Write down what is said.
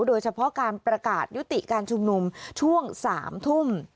โดยเฉพาะการประกาศยุติการชุมนุมช่วง๓ทุ่ม